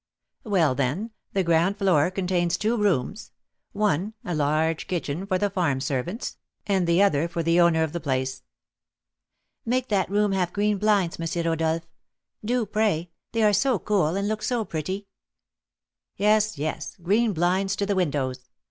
"Well, then, the ground floor contains two rooms; one, a large kitchen for the farm servants, and the other for the owner of the place." "Make that room have green blinds, M. Rodolph, do, pray; they are so cool, and look so pretty!" "Yes, yes, green blinds to the windows.